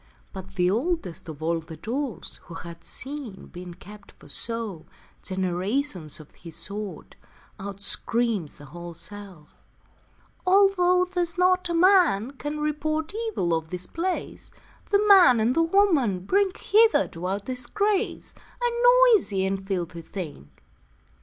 But the oldest of all the dolls Who had seen, being kept for show, Generations of his sort, Out screams the whole shelf: 'Although There's not a man can report Evil of this place, The man and the woman bring Hither to our disgrace, A noisy and filthy thing.'